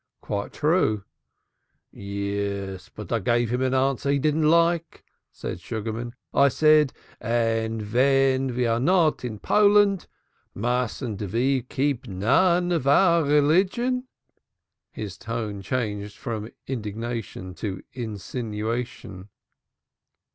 "Quite true." "Yes, but I gave him an answer he didn't like," said Sugarman. "I said, and ven ve are not in Poland mustn't ve keep none of our religion?" His tone changed from indignation to insinuation.